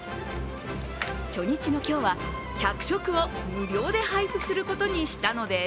初日の今日は、１００食を無料で配布することにしたのです。